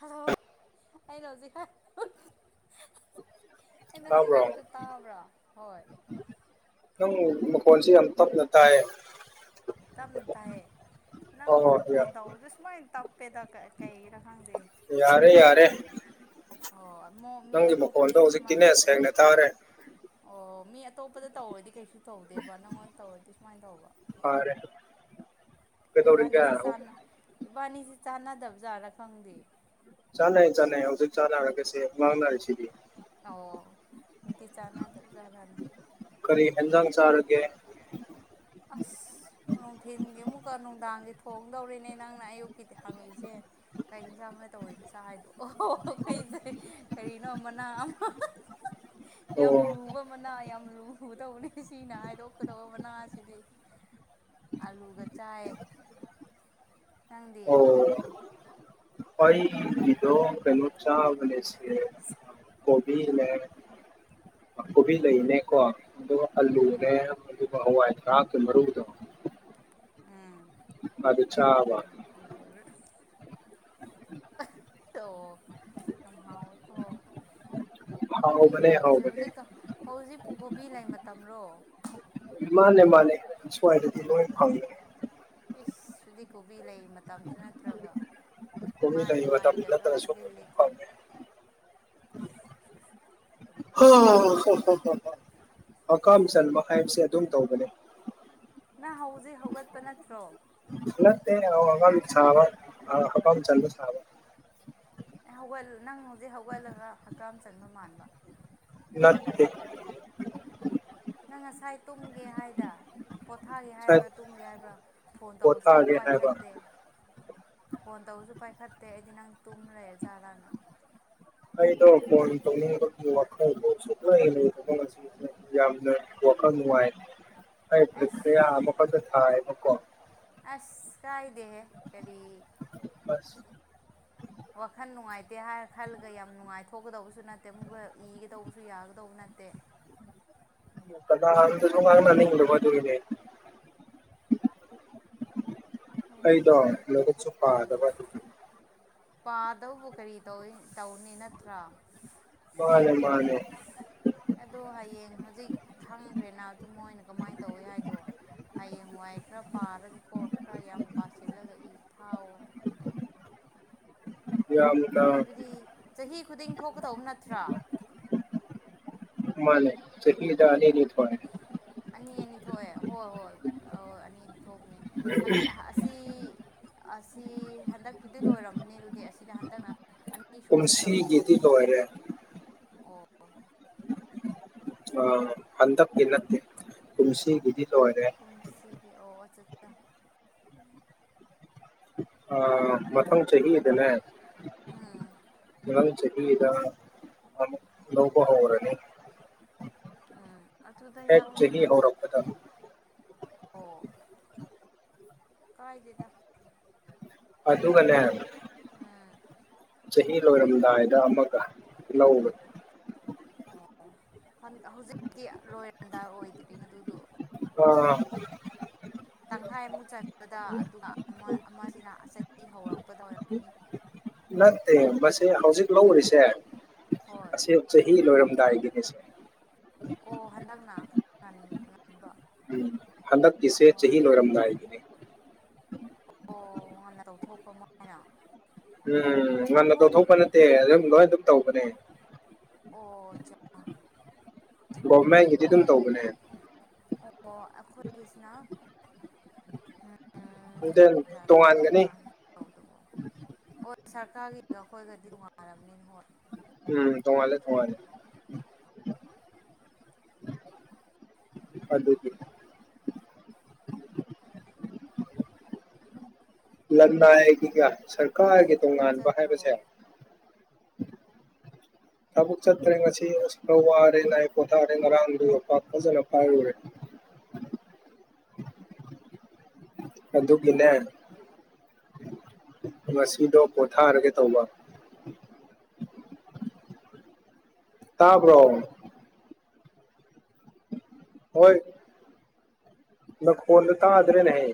hello ꯑꯩꯅ ꯍꯧꯖꯤꯛ ꯍꯥꯏ ꯑꯩꯅ ꯍꯧꯖꯤꯛ ꯇꯥꯕ꯭ꯔꯣ ꯍꯥꯏꯕꯗꯨ ꯇꯥꯕ꯭ꯔꯥ ꯍꯣꯏ ꯅꯪ ꯃꯀꯣꯟꯁꯤ ꯌꯥꯝꯇꯞ ꯅꯇꯥꯢ ꯇꯞꯅ ꯇꯥꯏꯌꯦ ꯅꯪꯉꯣꯟ ꯑꯣ ꯐꯣꯟ ꯇꯧꯕꯗꯣ ꯁꯨꯃꯥꯏꯅ ꯇꯥꯞꯄꯦ ꯇꯣꯞꯄꯦ ꯀꯩꯒꯤꯅꯣ ꯈꯪꯗꯦ ꯌꯥꯔꯦ ꯌꯥꯔꯦ ꯑꯣ ꯃꯨꯛ ꯃꯤ ꯅꯪꯒꯤ ꯃꯈꯣꯟꯗꯣ ꯑꯇꯣꯞꯄꯗꯗꯤ ꯁꯤꯃꯥꯢ ꯍꯧꯖꯤꯛꯇꯤꯅꯦ ꯁꯦꯡꯅ ꯇꯥꯔꯦ ꯑꯣ ꯃꯤ ꯑꯇꯣꯞꯄꯗ ꯇꯧꯔꯗꯤ ꯀꯩꯁꯨ ꯇꯧꯗꯦꯕ ꯅꯪꯉꯣꯟꯗ ꯇꯧꯔꯗꯤ ꯁꯨꯃꯥꯏꯅ ꯇꯧꯕ ꯐꯔꯦ ꯀꯩꯗꯧꯔꯤꯒꯦ ꯏꯕꯥꯅꯤꯁꯤ ꯏꯕꯥꯅꯤꯁꯤ ꯆꯥꯟꯅꯗꯕ ꯖꯥꯠꯔꯥ ꯈꯪꯗꯦ ꯆꯥꯟꯅꯩ ꯆꯥꯟꯅꯩ ꯍꯧꯖꯤꯛ ꯆꯥꯟꯅꯔꯒꯁꯦ ꯃꯥꯡꯅꯔꯦ ꯁꯤꯗꯤ ꯑꯣ ꯑꯩꯗꯤ ꯆꯥꯟꯅꯗꯕ ꯖꯥꯠꯔꯅ ꯀꯔꯤ ꯍꯦꯟꯖꯥꯡ ꯆꯥꯔꯒꯦ ꯑꯁ ꯅꯨꯡꯊꯤꯜꯒꯤ ꯑꯃꯨꯛꯀ ꯅꯨꯡꯗꯥꯡꯒꯤ ꯊꯣꯡꯗꯧꯔꯤꯅꯦ ꯅꯪꯅ ꯑꯌꯨꯛꯀꯤ ꯍꯪꯉꯤꯁꯦ ꯀꯥꯏ ꯌꯦꯟꯖꯥꯡꯅ ꯇꯧꯔꯤꯗ ꯁꯥ ꯍꯥꯏꯗꯣ ꯑꯣꯈꯩꯁꯦ ꯀꯔꯤꯅꯣ ꯃꯅꯥ ꯑꯃ ꯌꯥꯝ ꯑꯣ ꯂꯨꯕ ꯃꯅꯥ ꯌꯥꯝ ꯂꯨꯗꯧꯕꯅꯦ ꯁꯤꯅ ꯍꯥꯏꯗꯣꯛꯀꯗꯧꯕ ꯃꯅꯥ ꯑꯩꯗꯤ ꯑꯂꯨꯒ ꯆꯥꯏ ꯅꯪꯗꯤ ꯑꯩ ꯒꯤꯗꯣ ꯀꯩꯅꯩꯅꯣ ꯆꯥꯕꯅꯦ ꯁꯤ ꯀꯣꯕꯤꯅꯦ ꯀꯣꯕꯤ ꯂꯩꯅꯦꯀꯣ ꯑꯗꯨꯒ ꯎꯝ ꯑꯂꯨꯅꯦ ꯑꯗꯨꯒ ꯍꯋꯥꯏ ꯊꯔꯥꯛꯀꯤ ꯃꯔꯨꯗꯣ ꯎꯝ ꯑꯗꯨ ꯆꯥꯕ ꯍꯥꯎꯔꯦ ꯑꯣ ꯌꯥꯝ ꯍꯥꯎꯋꯦꯀꯣ ꯀꯣꯕꯤ ꯍꯥꯎꯕꯅꯦ ꯂꯩꯒꯁꯦ ꯍꯥꯎꯕꯅꯦ ꯍꯧꯖꯤꯛꯇ ꯍꯧꯖꯤꯛꯄꯨ ꯀꯣꯕꯤ ꯂꯩ ꯃꯇꯝꯔꯣ ꯃꯥꯅꯦ ꯃꯥꯅꯦ ꯁ꯭ꯋꯥꯏꯗꯗꯤ ꯂꯣꯏ ꯐꯪꯏ ꯏꯁ ꯍꯧꯖꯤꯛꯗꯤ ꯀꯣꯕꯤ ꯂꯩ ꯃꯇꯝꯁꯨ ꯅꯠꯇ꯭ꯔꯒ ꯀꯣꯕꯤ ꯃꯥꯅꯤ ꯂꯩ ꯃꯇꯝ ꯃꯥꯅꯤꯒꯁꯨ ꯅꯠꯇ꯭ꯔꯁꯨ ꯍꯥꯏꯖꯤꯜꯂꯦꯀꯣ ꯐꯪꯉꯦ ꯍꯥꯀꯥꯝ ꯆꯟꯕ ꯍꯥꯏꯕꯁꯦ ꯑꯗꯨꯝ ꯇꯧꯕꯅꯦ ꯅꯪ ꯍꯧꯖꯤꯛ ꯍꯧꯒꯠꯄ ꯅꯠꯇ꯭ꯔꯣ ꯅꯠꯇꯦ ꯍꯥꯀꯝ ꯆꯕ ꯍꯥꯀꯝ ꯆꯟꯕ ꯁꯥꯕ ꯑꯦ ꯍꯧꯒꯠ ꯅꯪ ꯍꯧꯖꯤꯛ ꯍꯧꯒꯠꯂꯒ ꯍꯛꯀꯥꯝ ꯆꯟꯕ ꯃꯥꯟꯕ ꯅꯠꯇꯦ ꯅꯪ ꯉꯁꯥꯏ ꯇꯨꯝꯒꯦ ꯍꯥꯏꯗ ꯄꯣꯊꯥꯔꯤ ꯉꯁꯥꯏ ꯍꯥꯏꯕ꯭ꯔꯥ ꯇꯨꯝꯒꯔꯦ ꯍꯥꯏꯕ꯭ꯔꯥ ꯐꯣꯟ ꯇꯧꯔꯁꯨ ꯑꯃꯨꯛ ꯄꯣꯊꯥꯒꯦ ꯍꯥꯏꯕ ꯄꯥꯏꯈꯠꯇꯦ ꯐꯣꯟ ꯇꯧꯕꯁꯨ ꯄꯥꯏꯈꯠꯇꯦ ꯑꯩꯗꯤ ꯅꯪ ꯇꯨꯝ ꯂꯩꯔ ꯖꯥꯠꯂꯅ ꯑꯩꯗꯣ ꯐꯣꯟ ꯇꯧꯅꯤꯡꯕꯒꯤ ꯋꯈꯜꯗꯣ ꯁꯨꯡꯂꯩ ꯂꯩꯇꯕ ꯌꯥꯝꯅ ꯋꯥꯈꯜ ꯅꯨꯡꯉꯥꯏ ꯍꯥꯏꯕ ꯑꯩꯁ ꯀꯌꯥ ꯑꯃꯈꯛꯇ ꯊꯥꯏꯌꯦꯕꯀꯣ ꯑꯁ ꯀꯥꯏꯗꯦꯍꯦ ꯀꯔꯤ ꯑꯁ [inaudible] ꯋꯥꯈꯜ ꯅꯨꯡꯉꯥꯏꯇꯦ ꯍꯥꯏꯔ ꯈꯜꯂꯒ ꯌꯥꯝ ꯅꯨꯡꯉꯥꯏꯊꯣꯛꯀꯗꯕꯁꯨ ꯅꯠꯇꯦ ꯃꯨꯛꯒ ꯏꯒꯗꯧꯕꯁꯨ ꯌꯥꯒꯗꯧꯕ ꯅꯠꯇꯦ ꯂꯥꯠꯒꯥꯁꯨ ꯉꯥꯡꯅꯅꯤꯡꯗꯕ ꯑꯗꯨꯅꯅꯦ ꯑꯁ ꯑꯩꯗꯣ ꯂꯥꯏꯔꯤꯛꯁꯨ ꯄꯥꯗꯕ ꯑꯗꯨꯒꯤ ꯄꯥꯗꯧꯕ ꯀꯔꯤ ꯇꯧ ꯇꯧꯅꯤ ꯅꯠꯇ꯭ꯔꯥ ꯃꯥꯅꯦ ꯃꯥꯅꯦ ꯑꯗꯣ ꯍꯌꯦꯡ ꯍꯧꯖꯤꯛ ꯈꯪꯈ꯭ꯔꯦꯅ ꯑꯗꯨ ꯃꯣꯏꯅ ꯀꯃꯥꯏꯅ ꯇꯧꯏꯤ ꯍꯥꯏꯗꯣ ꯍꯌꯦꯡ ꯋꯥꯏ ꯈꯔ ꯄꯥꯔꯒꯀꯣ ꯈꯔ ꯌꯥꯝ ꯄꯥꯁꯤꯜꯂꯒ ꯊꯥꯎꯋꯣ ꯌꯥꯝꯗ ꯍꯥꯏꯕꯗꯤ ꯆꯍꯤ ꯈꯨꯗꯤꯡ ꯊꯣꯛꯀꯗꯧꯕ ꯅꯠꯇ꯭ꯔꯥ ꯃꯥꯅꯦ ꯆꯍꯤꯗ ꯑꯅꯤꯅꯤ ꯊꯣꯛꯑꯦ ꯑꯅꯤ ꯑꯅꯤ ꯊꯣꯛꯑꯦ ꯍꯣꯏ ꯍꯣꯏ ꯍꯣꯏ ꯑꯅꯤ ꯊꯣꯛꯄꯅꯦ ꯁꯤ ꯑꯁꯤ ꯍꯟꯗꯛꯀꯤꯗꯤ ꯂꯣꯏꯔꯝꯃꯅꯤ ꯑꯗꯨꯗꯤ ꯑꯁꯤꯗ ꯍꯟꯗꯛꯅ ꯑꯅꯤꯁꯨꯕ ꯑꯣꯏꯔꯝꯅꯤ ꯀꯨꯝꯁꯤꯒꯤꯗꯤ ꯂꯣꯏꯔꯦ ꯑꯣ ꯑꯥ ꯍꯟꯗꯛꯀꯤ ꯅꯠꯇꯦ ꯑꯣ ꯀꯨꯝꯁꯤꯒꯤꯗꯤ ꯂꯣꯏꯔꯦ ꯀꯨꯝꯁꯤꯒꯤ ꯑꯣ ꯑꯆꯆꯥ ꯑ ꯃꯊꯪ ꯆꯍꯤꯗꯅꯦ ꯑꯝ ꯃꯊꯪ ꯆꯍꯤꯗ ꯑꯃꯨꯛ ꯂꯧꯕ ꯍꯧꯔꯅꯤ ꯎꯝ ꯑꯗꯨꯗ ꯍꯦꯛ ꯆꯍꯤ ꯌꯥꯎꯗ ꯑꯗꯨ ꯍꯧꯔꯛꯄꯗ ꯑꯣ ꯀꯥꯏꯗꯦꯗ ꯑꯗꯨꯒꯅꯦ ꯎꯝ ꯆꯍꯤ ꯂꯣꯏꯔꯝꯗꯥꯏꯗ ꯑꯃꯒ ꯂꯧꯕ ꯑꯣ ꯍꯧꯖꯤꯛꯇꯤ ꯂꯣꯏꯔꯝꯗꯥꯏ ꯑꯣꯏꯗ꯭ꯔꯤꯅꯦ ꯑꯗꯨꯗꯣ ꯇꯪꯈꯥꯏ ꯑꯃꯨꯛ ꯆꯟꯕꯗ ꯑꯗꯨꯒ ꯑꯃ ꯑꯃꯁꯤꯅ ꯆꯍꯤ ꯍꯧꯔꯛꯄꯗ ꯑꯣꯏꯔꯝ ꯅꯠꯇꯦ ꯃꯁꯤ ꯍꯧꯖꯤꯛ ꯂꯧꯔꯤꯁꯦ ꯍꯣꯏ ꯑꯁꯤ ꯆꯍꯤ ꯂꯣꯏꯔꯝꯗꯥꯏꯒꯤꯅꯤꯁꯦ ꯑꯣ ꯍꯟꯗꯛꯅ ꯉꯟꯕ ꯎꯝ ꯍꯟꯗꯛꯀꯤꯁꯦ ꯑꯣ ꯆꯍꯤ ꯂꯣꯏꯔꯝꯗꯥꯏꯒꯅꯦ ꯑꯣ ꯉꯟꯅ ꯇꯧꯊꯣꯛꯄ ꯑꯃ ꯎꯝ ꯉꯟꯅ ꯑꯩꯈꯣꯏ ꯇꯧꯊꯣꯛꯄ ꯅꯠꯇꯦ ꯑꯗꯨꯝ ꯂꯣꯏꯅ ꯑꯗꯨꯝ ꯇꯧꯕꯅꯦ ꯑꯣ ꯑꯆꯥ ꯒꯣꯃꯩ ꯑꯈꯣꯏ ꯑꯣ ꯑꯈꯣꯏꯒꯤꯁꯤꯅ ꯎꯝ [unintelligible] ꯇꯣꯉꯥꯟꯒꯅꯤ ꯑꯗꯨꯕꯨ ꯍꯣꯏ ꯁꯔꯀꯥꯔꯒꯤꯒ ꯑꯩꯈꯣꯏꯒꯗꯤ ꯇꯣꯡꯉꯟꯂꯥꯝꯅꯤ ꯍꯣꯏ ꯎꯝ ꯇꯣꯉꯥꯜꯂꯦ ꯇꯣꯉꯥꯜꯂꯦ ꯑꯗꯨꯒꯤ ꯂꯅꯥꯏꯒꯤꯒ ꯁꯤ ꯁꯔꯀꯥꯔꯒꯤꯒ ꯊꯕꯛ ꯇꯣꯉꯥꯟꯕ ꯆꯠꯇ꯭ꯔꯕꯣ ꯍꯥꯏꯕꯁꯦ ꯊꯕꯛ ꯆꯠꯇ꯭ꯔꯦ ꯉꯁꯤ ꯑꯁ ꯈꯔ ꯋꯥꯔꯦ ꯅ ꯑꯩ ꯄꯣꯊꯥꯔꯦ ꯉꯔꯥꯡꯗꯨ ꯌꯣꯠꯄꯥꯛ ꯐꯖꯅ ꯄꯥꯏꯔꯨꯔꯦ ꯑꯗꯨꯒꯤꯅꯦ ꯉꯁꯤꯗꯣ ꯄꯣꯊꯥꯔꯒꯦ ꯇꯧꯕ ꯇꯥꯕ꯭ꯔꯣ ꯍꯣꯏ ꯅꯈꯣꯟꯗꯣ ꯇꯥꯗꯔꯦꯅꯦꯍꯦ